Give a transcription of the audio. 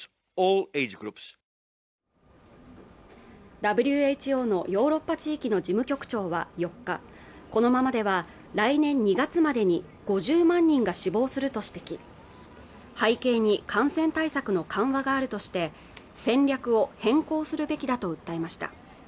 ＷＨＯのヨーロッパ地域の事務局長は４日このままでは来年２月までに５０万人が死亡すると指摘背景に感染対策の緩和があるとして戦略を変更するべきだと訴えました